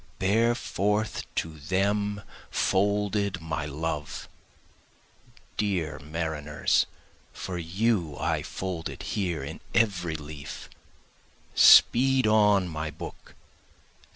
Bear forth to them folded my love, (dear mariners, for you I fold it here in every leaf;) Speed on my book!